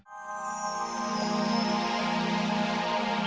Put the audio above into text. anda mau ke mana